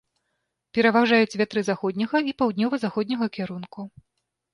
Пераважаюць вятры заходняга і паўднёва-заходняга кірунку.